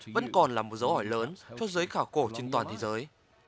vẫn còn là một dấu hỏi lớn cho giới khảo cổ trên toàn thế giới